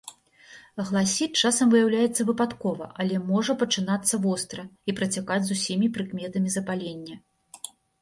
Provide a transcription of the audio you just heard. Гласіт часам выяўляецца выпадкова, але можа пачынацца востра і працякаць з усімі прыкметамі запалення.